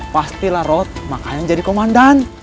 pastilah rod makanya jadi komandan